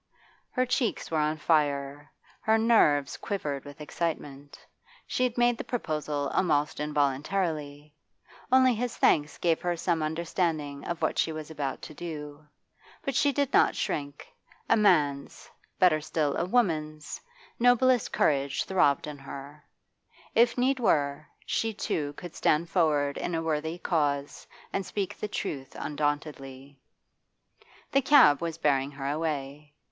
Her cheeks were on fire; her nerves quivered with excitement. She had made the proposal almost involuntarily; only his thanks gave her some understanding of what she was about to do. But she did not shrink; a man's better still, a woman's noblest courage throbbed in her. If need were, she too could stand forward in a worthy cause and speak the truth undauntedly. The cab was bearing her away.